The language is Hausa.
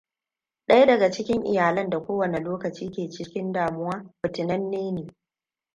Ɗaya daga cikin iyalan da ko wane lokaci ke cikin damuwa fitinanne ne.